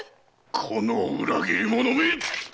この裏切り者め！